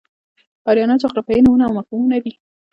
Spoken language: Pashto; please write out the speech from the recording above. آریانا جغرافیایي نومونه او مفهومونه دي.